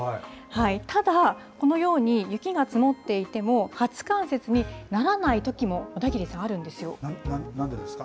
ただ、このように雪が積もっていても、初冠雪にならないときも、なんでですか？